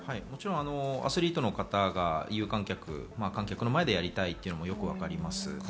アスリートの方が観客の前でやりたいというのはよくわかります。